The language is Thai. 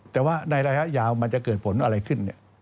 แต่ว่าในระยะยาวมันจะเกิดผลอะไรขึ้น